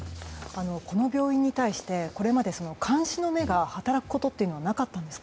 この病院に対してこれまで監視の目が働くことがなかったんですか。